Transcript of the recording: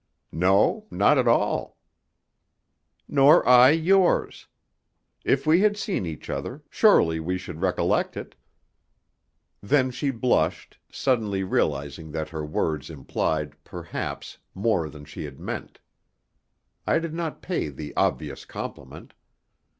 "No, not at all." "Nor I yours. If we had seen each other, surely we should recollect it." Then she blushed, suddenly realizing that her words implied, perhaps, more than she had meant. I did not pay the obvious compliment.